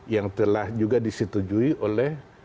yang telah juga disetujui oleh